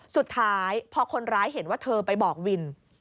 สุดท้ายพอคนร้ายเห็นว่าเธอไปบอกวิน